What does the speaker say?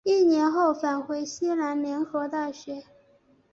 一年后返回西南联合大学。